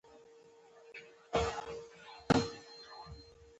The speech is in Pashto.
موګابي اساسي قانون ولیکه لکه څنګه چې هوکړه شوې وه.